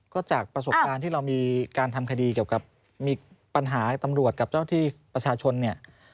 ก็จากประสบการณ์ที่เรามีการทำคดีเกี่ยวกับมีปัญหาตำรวจกับเจ้าที่ประชาชนเนี่ย